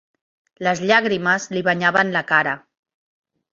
Les llàgrimes li banyaven la cara.